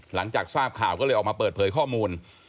หลังจากทราบข่าวก็เลยออกมาเปิดเผยข้อมูล